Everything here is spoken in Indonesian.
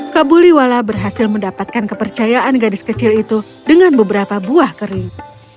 kabuliwala berhasil mendapatkan kepercayaan gadis kecil itu dengan beberapa buah kering